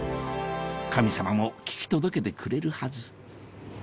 神様も聞き届けてくれるはず